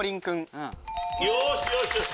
よしよしよし！